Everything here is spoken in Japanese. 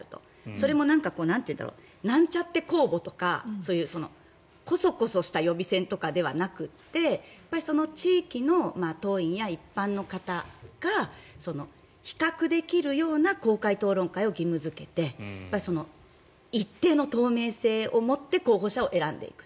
それもなんちゃって公募とかこそこそした予備選ではなくてその地域の党員や一般の方が比較できるような公開討論会を義務付けて一定の透明性を持って候補者を選んでいく。